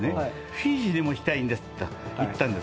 「フィジーにも行きたいんです」と言ったんです。